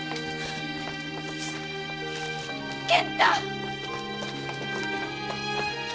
健太！